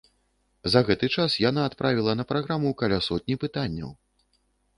За гэты час яна адправіла на праграму каля сотні пытанняў.